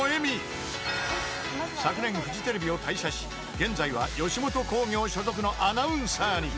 ［昨年フジテレビを退社し現在は吉本興業所属のアナウンサーに］